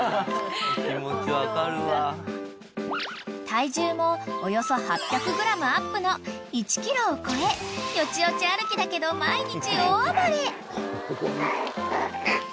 ［体重もおよそ８００ｇアップの１ｋｇを超えよちよち歩きだけど毎日］